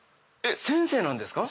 先生なんですか？